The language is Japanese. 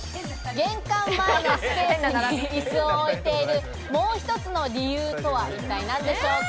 玄関前のスペースには、いすを置いているもう１つの理由とは一体何でしょうか？